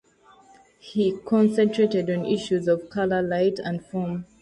He concentrated on issues of colour, light, and form.